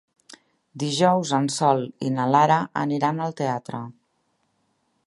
Dijous en Sol i na Lara aniran al teatre.